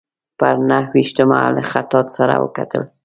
پر نهه ویشتمه له خطاط سره وکتل.